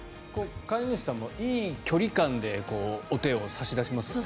飼い主さんもいい距離間でお手を差し出しますよね。